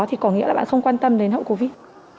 thì có nghĩa là bạn không quan tâm đến hậu covid